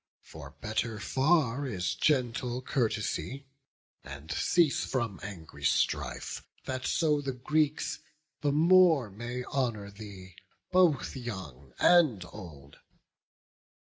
For better far is gentle courtesy: And cease from angry strife, that so the Greeks The more may honour thee, both young and old.